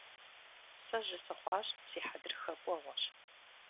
Сэ жьы сыхъуащ, си хьэдрыхэ кӀуэгъуэщ.